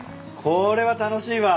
これは楽しいわ。